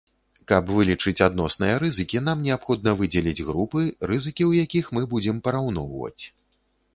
Каб вылічыць адносныя рызыкі нам неабходна выдзеліць групы, рызыкі ў якіх мы будзем параўноўваць.